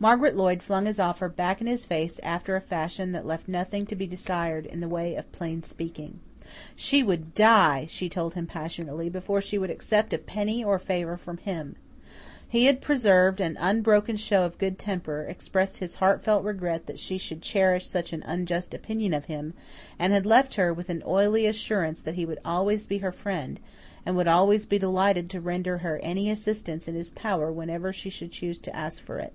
Margaret Lloyd flung his offer back in his face after a fashion that left nothing to be desired in the way of plain speaking. She would die, she told him passionately, before she would accept a penny or a favour from him. He had preserved an unbroken show of good temper, expressed his heartfelt regret that she should cherish such an unjust opinion of him, and had left her with an oily assurance that he would always be her friend, and would always be delighted to render her any assistance in his power whenever she should choose to ask for it.